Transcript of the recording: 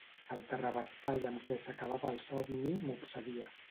El terrabastall amb què s'acabava el somni m'obsedia.